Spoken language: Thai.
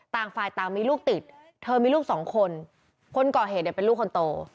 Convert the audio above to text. ต่างฝ่ายต่างมีลูกติดเธอมีลูกสองคนคนก่อเหตุเนี่ยเป็นลูกคนโต